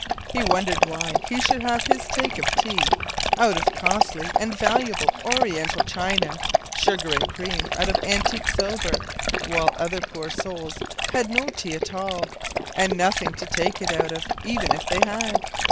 He wondered why he should take his tea out of costly and valuable Oriental china, sugar and cream out of antique silver, while other poor souls had no tea at all, and nothing to take it out of even if they had.